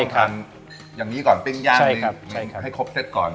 ทานอย่างนี้ก่อนปิ้งย่างให้ครบเซ็ตก่อน